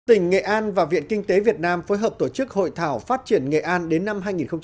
tỉnh nghệ an và viện kinh tế việt nam phối hợp tổ chức hội thảo phát triển nghệ an đến năm hai nghìn ba mươi